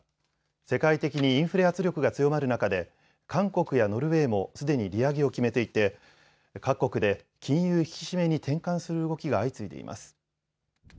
世界的にインフレ圧力が強まる中で韓国やノルウェーもすでに利上げを決めていて各国で金融引き締めに転換する動きが相次いでいます。